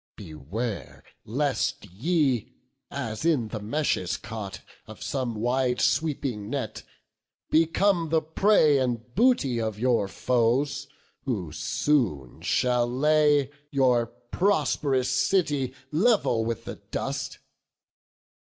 Beware lest ye, as in the meshes caught Of some wide sweeping net, become the prey And booty of your foes, who soon shall lay Your prosp'rous city level with the dust.